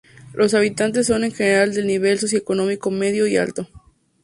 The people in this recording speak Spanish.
Los habitantes son en general del nivel socioeconómico medio y alto.